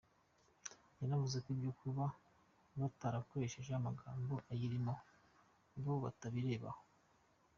Yanavuze ko ibyo kuba batarakoresheje amagambo ayirimo bo batabirebaho.